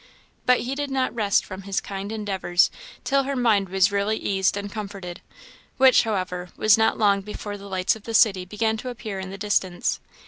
But he did not rest from his kind endeavours till her mind was really eased and comforted which, however, was not long before the lights of the city began to appear in the distance.